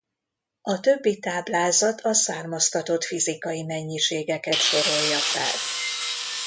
A többi táblázat a származtatott fizikai mennyiségeket sorolja fel.